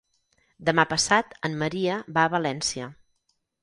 Demà passat en Maria va a València.